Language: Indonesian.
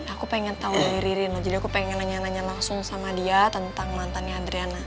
aku pengen tau dari ririn jadi aku pengen nanya nanya langsung sama dia tentang mantan ya adriana